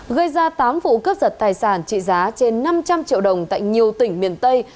gây ra tám vụ cướp giật tài sản trị giá trên năm trăm linh triệu đồng tại nhiều tỉnh miền tây